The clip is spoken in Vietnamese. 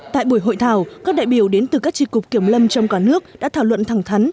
tại buổi hội thảo các đại biểu đến từ các tri cục kiểm lâm trong cả nước đã thảo luận thẳng thắn